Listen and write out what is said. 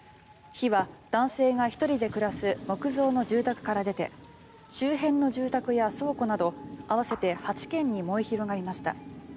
火は男性が１人で暮らす木造の住宅から出て周辺の住宅や倉庫など合わせて８軒に燃え広がりました。